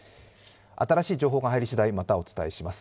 新しい情報が入り次第、またお伝えします。